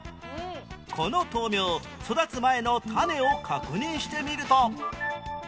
この豆苗育つ前の種を確認してみると